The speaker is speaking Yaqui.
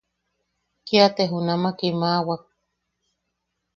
Kia te junama kimawak.